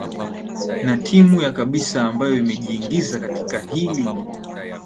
na timu ya kabisa ambayo imejiingiza katika hii ligi